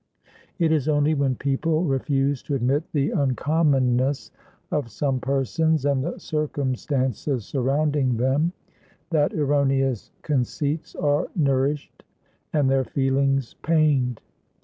It is only when people refuse to admit the uncommonness of some persons and the circumstances surrounding them, that erroneous conceits are nourished, and their feelings pained.